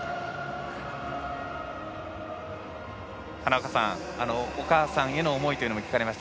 花岡さん、お母さんへの思いというのも聞かれました。